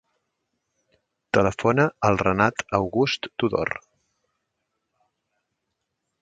Telefona al Renat August Tudor.